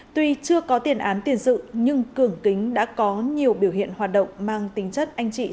tuy chưa có tiền án tiền sự nhưng cường kính đã có nhiều biểu hiện hoạt động mang tính chất anh chị